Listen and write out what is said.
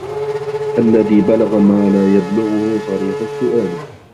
الَّذِي بَلَغَ مَا لَا يَبْلُغُهُ صَرِيحُ السُّؤَالِ